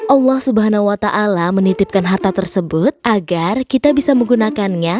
allah swt menitipkan harta tersebut agar kita bisa menggunakannya